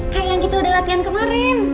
kayak yang gitu udah latihan kemarin